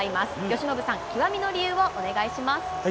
由伸さん、極みの理由をお願いします。